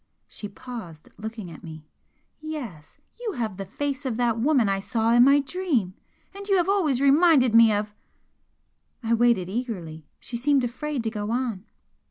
She paused, looking at me "Yes you have the face of that woman I saw in my dream! and you have always reminded me of " I waited eagerly. She seemed afraid to go on.